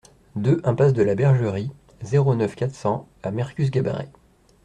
deux impasse de la Bergerie, zéro neuf, quatre cents à Mercus-Garrabet